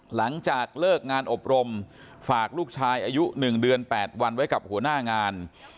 หลังจากเลิกงานอบรมฝากลูกชายอายุ๑เดือน๘วันไว้กับหัวหน้างาน